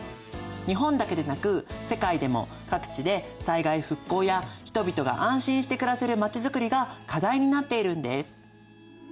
日本だけでなく世界でも各地で災害復興や人々が安心して暮らせるまちづくりが課題になっているんです。